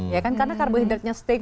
ya kan karena karbohidratnya steak